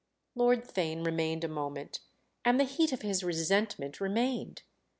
Lord Theign remained a moment, and the heat of his resentment remained.